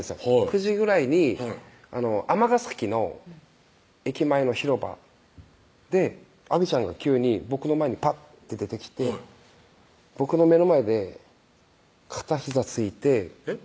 ９時ぐらいに尼崎の駅前の広場であびちゃんが急に僕の前にぱって出てきて僕の目の前で片ひざついてえっ？